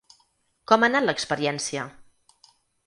Com ha anat l’experiència?